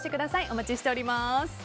お待ちしております。